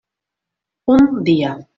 Un dia.